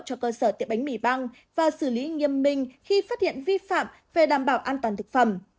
cho cơ sở tiệm bánh mì băng và xử lý nghiêm minh khi phát hiện vi phạm về đảm bảo an toàn thực phẩm